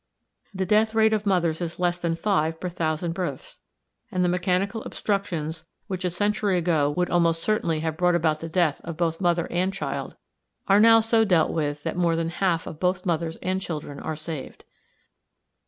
The death rate of mothers is less than five per thousand births, and the mechanical obstructions which a century ago would almost certainly have brought about the death of both mother and child, are now so dealt with that more than half of both mothers and children are saved.